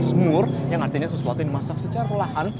smur yang artinya sesuatu yang dimasak secara perlahan